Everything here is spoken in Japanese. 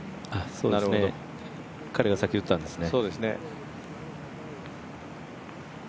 彼がさっき打ったんですね。